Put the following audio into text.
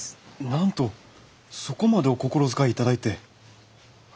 なんとそこまでお心遣い頂いて。